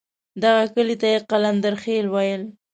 دغه کلي ته یې قلندرخېل ویل.